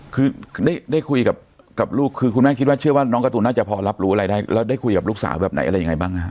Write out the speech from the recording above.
คือได้คุยกับลูกคือคุณแม่คิดว่าเชื่อว่าน้องการ์ตูนน่าจะพอรับรู้อะไรได้แล้วได้คุยกับลูกสาวแบบไหนอะไรยังไงบ้างฮะ